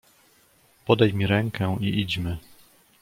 "Podaj mi rękę i idźmy."